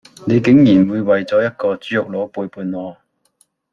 你竟然會為咗一個豬肉佬背叛我